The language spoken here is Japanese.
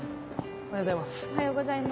おはようございます。